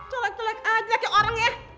tolek tolek aja ke orang ya